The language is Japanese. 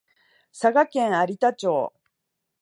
佐賀県有田町